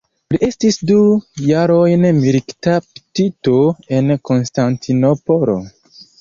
Li estis du jarojn militkaptito en Konstantinopolo.